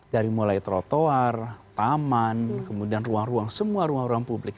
dari mulai trotoar taman kemudian ruang ruang semua ruang ruang publik